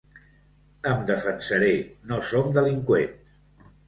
Em defensaré, no som delinqüents.